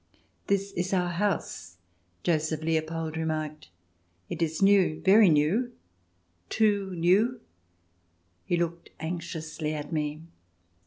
" This is our house," Joseph Leopold remarked. " It is new — very new — too new." He looked anxiously at me.